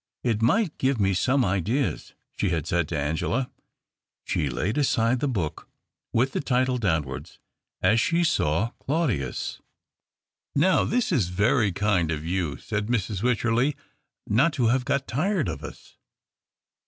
"It might give me some ideas," she had said to Angela. She laid aside the book (with the title downwards) as she saw Claudius. B 242 THE OCTAVE OF CLAUDIUS. " Now this is very kind of you," said Mrs. Wycherley, " not to have got tired of us."